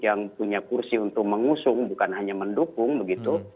yang punya kursi untuk mengusung bukan hanya mendukung begitu